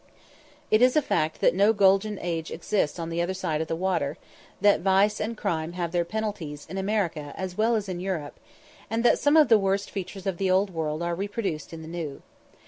It is a fact that no Golden Age exists on the other side of the water; that vice and crime have their penalties in America as well as in Europe; and that some of the worst features of the Old World are reproduced in the New.